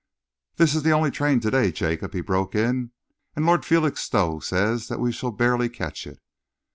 "This is the only train to day, Jacob," he broke in, "and Lord Felixstowe says that we shall barely catch it."